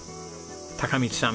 貴道さん